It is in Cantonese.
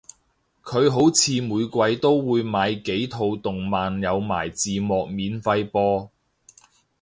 佢好似每季都會買幾套動漫有埋字幕免費播